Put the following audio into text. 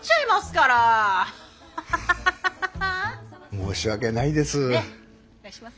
申し訳ないです。